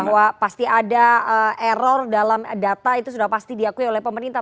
bahwa pasti ada error dalam data itu sudah pasti diakui oleh pemerintah